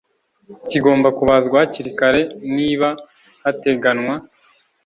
kigomba kubazwa hakiri kare niba hateganwa